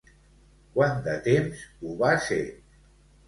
Quant de temps ho va ser?